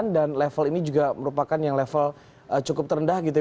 dan level ini juga merupakan yang level cukup terendah gitu ya